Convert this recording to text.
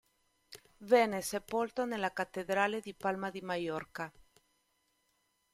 Venne sepolto nella Cattedrale di Palma di Maiorca.